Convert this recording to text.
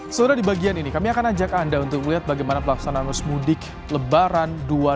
sudah di bagian ini kami akan ajak anda untuk melihat bagaimana pelaksanaan arus mudik lebaran dua ribu dua puluh